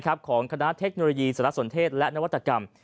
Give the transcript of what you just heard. ของคณะเทคโนโลยีสารสนเทศและนวัตกรรม